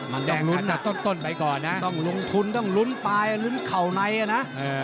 มันเดินมาจากต้นไปก่อนนะต้องลุงทุนต้องลุ้นปายลุ้นเหล่าในนะ